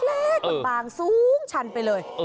เหมือนบางสูงชันไปเลย